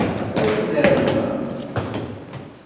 Ad nerna.